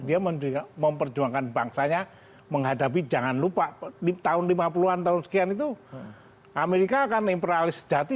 dia memperjuangkan bangsanya menghadapi jangan lupa tahun lima puluh an tahun sekian itu amerika akan imperalis sejati